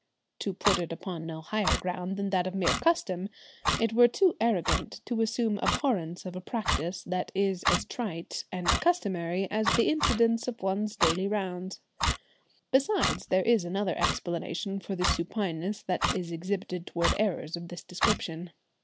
To put it upon no higher ground than that of mere custom, it were too arrogant to assume abhorrence of a practice that is as trite and customary as the incidents of one's daily rounds. Besides, there is another explanation for the supineness that is exhibited towards errors of this description.